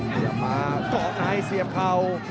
เดี๋ยวเข้ามากรอกนายเสียบเข่า